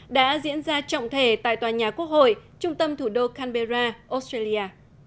đã diễn ra trọng thể tại tòa nhà quốc hội trung tâm thủ đô canberra australia